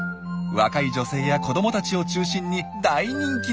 若い女性や子どもたちを中心に大人気なんです！